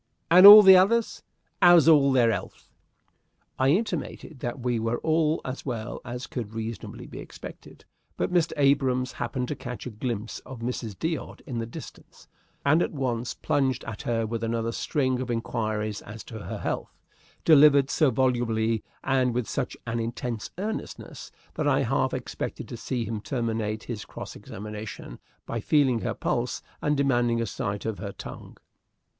And all the others 'ow's all their 'ealth?" I intimated that we were all as well as could reasonably be expected; but Mr. Abrahams happened to catch a glimpse of Mrs. D'Odd in the distance, and at once plunged at her with another string of inquiries as to her health, delivered so volubly and with such an intense earnestness that I half expected to see him terminate his cross examination by feeling her pulse and demanding a sight of her tongue.